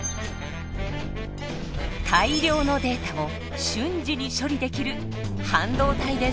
大量のデータを瞬時に処理できる半導体です。